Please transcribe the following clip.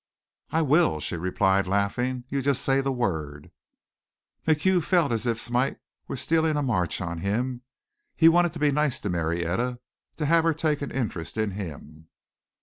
"I will," she replied, laughing. "You just say the word." MacHugh felt as if Smite were stealing a march on him. He wanted to be nice to Marietta, to have her take an interest in him.